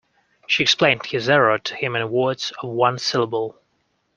She explained his error to him in words of one syllable.